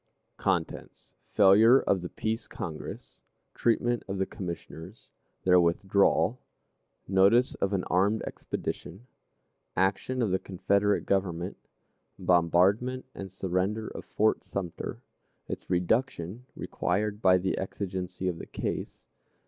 _ CHAPTER I. Failure of the Peace Congress. Treatment of the Commissioners. Their Withdrawal. Notice of an Armed Expedition. Action of the Confederate Government. Bombardment and Surrender of Fort Sumter. Its Reduction required by the Exigency of the Case.